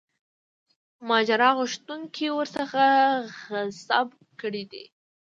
ماجرا غوښتونکو ورڅخه غصب کړی دی.